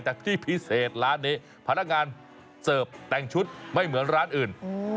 แต่ที่พิเศษร้านนี้พนักงานเสิร์ฟแต่งชุดไม่เหมือนร้านอื่น